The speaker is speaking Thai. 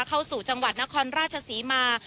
เข้าสู่จังหวัดนครราชศรีมา